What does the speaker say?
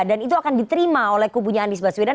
dan itu akan diterima oleh kubunya andis baswedan